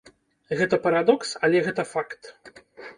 Гэта парадокс, але гэта факт.